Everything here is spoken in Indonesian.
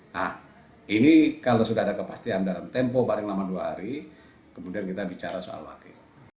nah ini kalau sudah ada kepastian dalam tempo paling lama dua hari kemudian kita bicara soal wakil